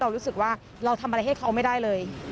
รู้สึกว่าเราทำอะไรให้เขาไม่ได้เลย